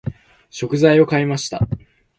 食材を買いました。